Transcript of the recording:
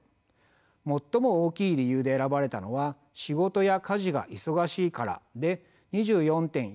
最も大きい理由で選ばれたのは仕事や家事が忙しいからで２４．１％でした。